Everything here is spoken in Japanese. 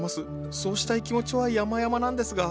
そうしたい気持ちはやまやまなんですが。